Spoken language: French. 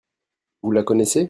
Vous la connaissez ?